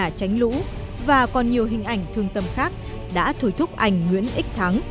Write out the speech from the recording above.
những nhà tránh lũ và còn nhiều hình ảnh thương tâm khác đã thủy thúc ảnh nguyễn ích thắng